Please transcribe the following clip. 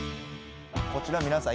こちら皆さん